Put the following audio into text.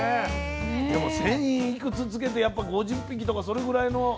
でも１，０００いくつつけてやっぱ５０匹とかそれぐらいの希少なんだね。